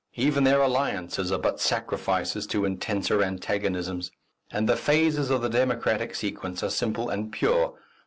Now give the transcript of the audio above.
Even their alliances are but sacrifices to intenser antagonisms. And the phases of the democratic sequence are simple and sure.